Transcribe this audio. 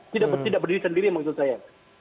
tidak berdiri sendiri maksud saya